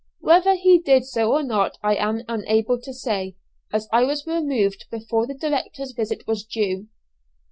(Whether he did so or not I am unable to say, as I was removed before the director's visit was due.)